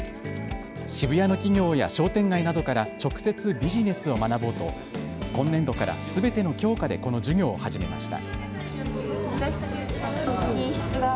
渋谷の企業や商店街などから直接ビジネスを学ぼうと今年度からすべての教科でこの授業を始めました。